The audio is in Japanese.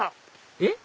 えっ？